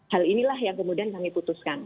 hal inilah yang kemudian kami putuskan